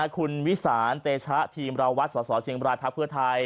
คุณวิสานเตชะธีรวรรดิสตเชียงราชทัพเพื่อไทย